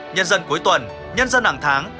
nhân dân cuối tuần nhân dân hàng tháng